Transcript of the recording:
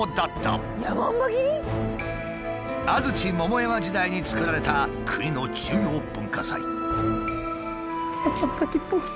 安土桃山時代に作られた国の重要文化財。